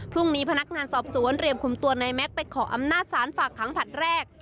พรุ่งนี้พนักงานสอบสวนเรียมคุมตัวนายแม็กซ์ไปขออำนาจศาลฝากขังผลัดแรก